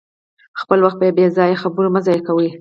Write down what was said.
خپل وخت په بې ځایه خبرو مه ضایع کوئ.